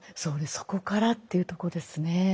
「そこから」っていうとこですね。